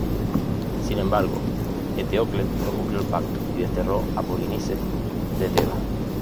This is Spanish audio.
Sin embargo, Eteocles no cumplió el pacto y desterró a Polinices de Tebas.